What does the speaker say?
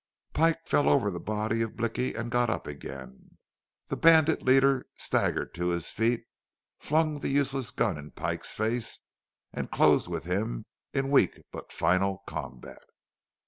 Pike fell over the body of Blicky and got up again. The bandit leader staggered to his feet, flung the useless gun in Pike's face, and closed with him in weak but final combat.